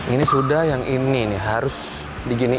ini sudah yang ini nih harus digini